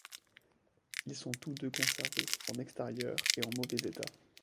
Ils sont tous deux conservés en extérieur et en mauvais état.